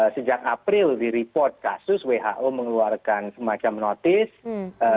sejak april di report kasus who mengeluarkan semacam notice